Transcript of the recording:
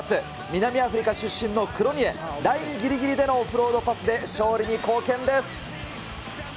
南アフリカ出身のクロニエ、ラインぎりぎりでのオフロードパスで勝利に貢献です。